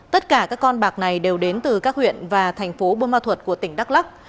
tất cả các con bạc này đều đến từ các huyện và thành phố bô ma thuật của tỉnh đắk lắc